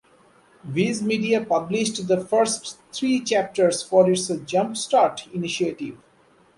Viz Media published the first three chapters for its "Jump Start" initiative.